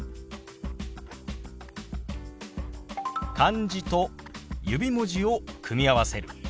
漢字と指文字を組み合わせる。